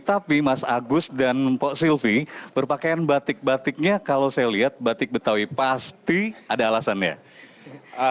tapi mas agus dan pak sylvi berpakaian batik batiknya kalau saya lihat batik betawi pasti ada alasannya